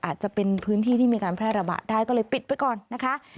อาจจะเป็นพื้นที่ที่มีการแพร่ระบาดได้ก็เลยปิดไปก่อนนะคะ